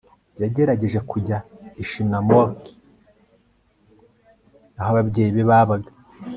yagerageje kujya ishinomaki aho ababyeyi be babaga